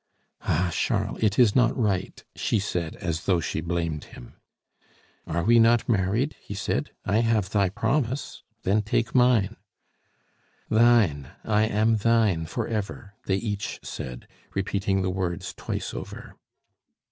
"Ah! Charles, it is not right," she said, as though she blamed him. "Are we not married?" he said. "I have thy promise, then take mine." "Thine; I am thine forever!" they each said, repeating the words twice over.